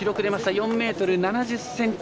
４ｍ７０ｃｍ。